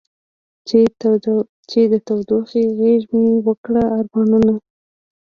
چې د تودې غېږې مې و کړې ارمانونه.